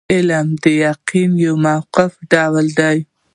علم د یقین یو موقتي ډول دی.